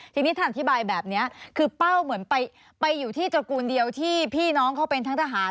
ทีนี้ท่านอธิบายแบบนี้คือเป้าเหมือนไปอยู่ที่ตระกูลเดียวที่พี่น้องเขาเป็นทั้งทหาร